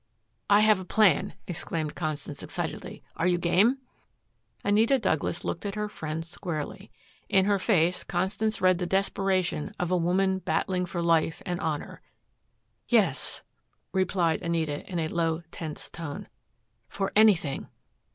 "I have a plan," exclaimed Constance excitedly. "Are you game?" Anita Douglas looked at her friend squarely. In her face Constance read the desperation of a woman battling for life and honor. "Yes," replied Anita in a low, tense tone, "for anything."